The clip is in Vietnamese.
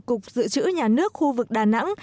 cục dự trữ nhà nước khu vực đà nẵng